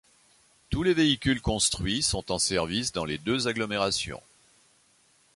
Tous les véhicules construits sont en service dans les deux agglomérations.